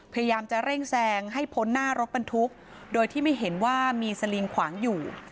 พยายามจะเร่งแซงให้พ้นหน้ารถบรรทุกโดยที่ไม่เห็นว่ามีสลิงขวางอยู่